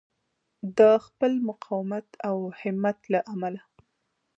د خپل مقاومت او همت له امله.